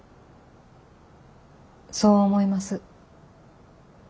そう思います。